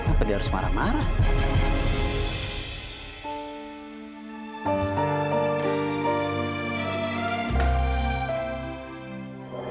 apa dia harus marah marah